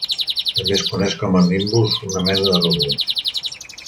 També es coneix com a nimbus una mena de núvol.